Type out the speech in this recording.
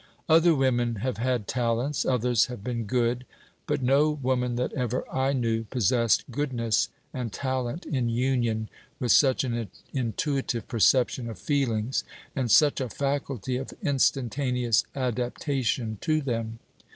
Other women have had talents, others have been good; but no woman that ever I knew possessed goodness and talent in union with such an intuitive perception of feelings, and such a faculty of instantaneous adaptation to them.